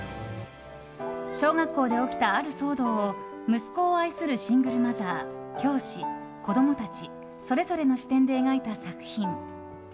小学校で起きたある騒動を息子を愛するシングルマザー教師、子供たちそれぞれの視点で描いた作品。